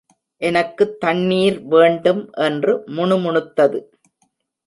எனக்குத் தண்ணீர் வேண்டும் என்று முணுமுணுத்தது.